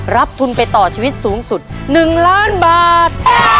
รับทุนไปต่อชีวิตสูงสุด๑ล้านบาท